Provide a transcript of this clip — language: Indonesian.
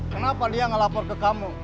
kenapa dia ngelapor ke kamu